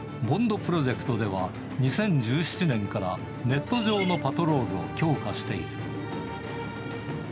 プロジェクトでは、２０１７年からネット上のパトロールを強化している。